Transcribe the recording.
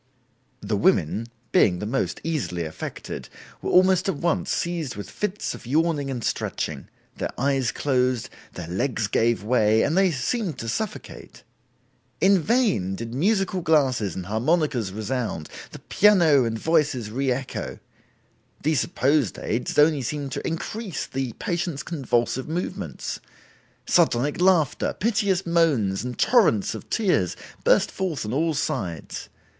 The women, being the most easily affected, were almost at once seized with fits of yawning and stretching; their eyes closed, their legs gave way and they seemed to suffocate. In vain did musical glasses and harmonicas resound, the piano and voices re echo; these supposed aids only seemed to increase the patients' convulsive movements. Sardonic laughter, piteous moans and torrents of tears burst forth on all sides.